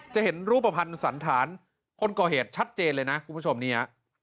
จะเห็นรูปภัณฑ์สันธารคนก่อเหตุชัดเจนเลยนะคุณผู้ชมเนี่ย